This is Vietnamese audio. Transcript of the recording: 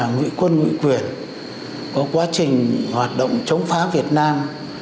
ngụy quân ngụy quyền có quá trình hoạt động chống phá việt nam